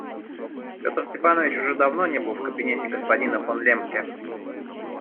Петр Степанович уже давно не был в кабинете господина фон Лембке.